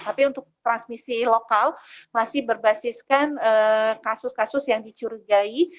tapi untuk transmisi lokal masih berbasiskan kasus kasus yang dicurigai